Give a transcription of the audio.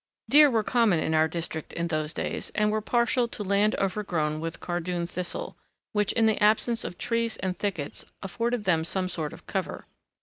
Deer were common in our district in those days, and were partial to land overgrown with cardoon thistle, which in the absence of trees and thickets afforded them some sort of cover.